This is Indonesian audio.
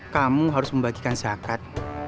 kamu harus membagikan zakat